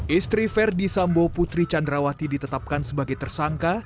istri verdi sambo putri candrawati ditetapkan sebagai tersangka